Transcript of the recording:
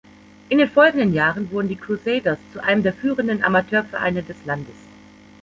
In den folgenden Jahren wurden die Crusaders zu einem der führenden Amateurvereine des Landes.